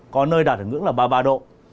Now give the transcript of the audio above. có nơi đạt ngưỡng là ba mươi ba độ